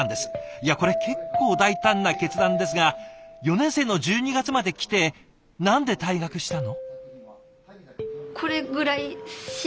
いやこれ結構大胆な決断ですが４年生の１２月まで来て何で退学したの？